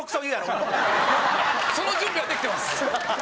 その準備はできてます。